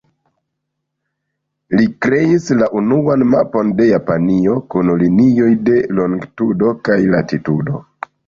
Li kreis la unuan mapon de Japanio kun linioj de longitudo kaj latitudo.